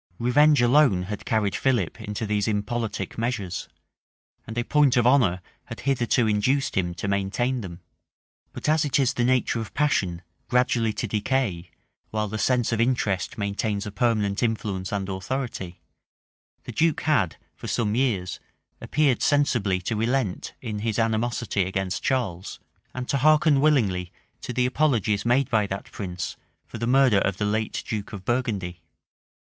Revenge alone had carried Philip into these impolitic measures; and a point of honor had hitherto induced him to maintain them. But as it is the nature of passion gradually to decay, while the sense of interest maintains a permanent influence and authority, the duke had, for some years, appeared sensibly to relent in his animosity against Charles, and to hearken willingly to the apologies made by that prince for the murder of the late duke of Burgundy.